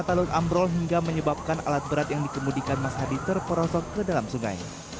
talun ambrol hingga menyebabkan alat berat yang dikemudikan mas hadi terperosok ke dalam sungai